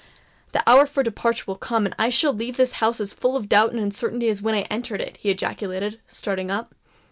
"The hour for departure will come, and I shall leave this house as full of doubt and uncertainty as when I entered it!" he ejaculated, starting up.